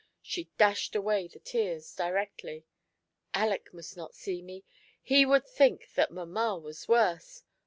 She dashed away her tears directly. " Aleck must not see me ; he would think that mamma was worse.